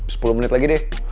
sepuluh menit lagi deh